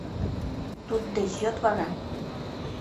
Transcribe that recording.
Туддеч йод вара.